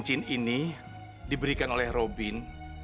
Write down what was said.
cincin ini diberikan oleh robin